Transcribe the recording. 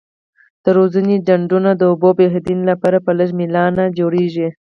د روزنې ډنډونه د اوبو بهیدو لپاره په لږ میلان جوړیږي.